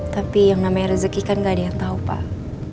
tapi yang namanya rezeki kan gak ada yang tahu pak